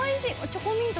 チョコミント。